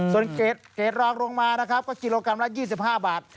ส่วนเกรดรองลงมานะครับก็กิโลกรัมละ๒๕บาท